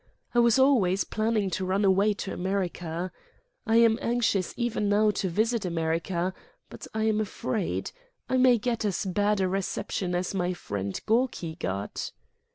I was always planning to run away to America, I am anxious even now to visit America, but I am afraid I may get as bad a reception as my friend Gorky got."